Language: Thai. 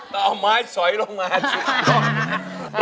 ตะออกไม้สอยลงมาสุดยอด